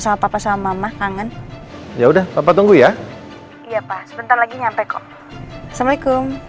sama papa sama mama kangen ya udah papa tunggu ya iya pak sebentar lagi nyampe kok assalamualaikum